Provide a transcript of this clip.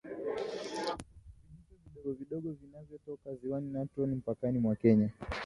Vijito vidogovidogo vinavyotoka Ziwa Natron mpakani mwa Kenya